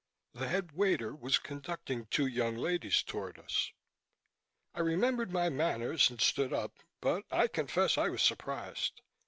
The headwaiter was conducting two young ladies toward us. I remembered my manners and stood up, but I confess I was surprised.